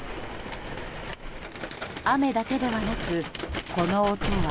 雨だけではなく、この音は。